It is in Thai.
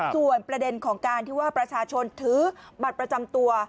ส่วนประเด็นของการที่ว่าประชาชนถือบัตรประจำตัว